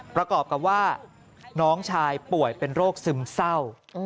ประกอบกับว่าน้องชายป่วยเป็นโรคซึมเศร้า